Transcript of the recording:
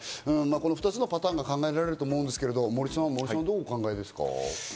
この２つのパターンが考えられると思うんですけど、森さんはどうお考えですか？